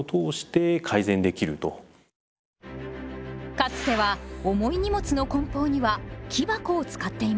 かつては重い荷物の梱包には木箱を使っていました。